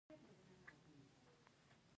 د پکتیا په جاني خیل کې د سمنټو مواد شته.